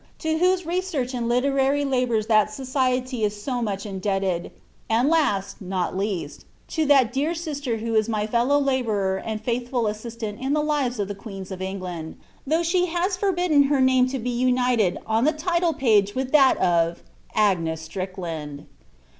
to whose reseai'ch ind literary labours that Society is so much indebted; and last, not least, to that dear sister who is my fellow labourer and faithful assistant In the Lives of the Queens of England, tliough she lias forbidden her name to be united on the title page with that of AGNES STRICKLAND.